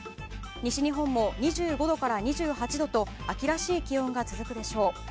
西日本も２５度から２８度と秋らしい気温が続くでしょう。